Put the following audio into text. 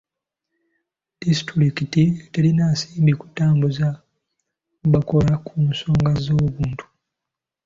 Disitulikiti terina nsimbi kutambuza bakola ku nsonga z'obuntu.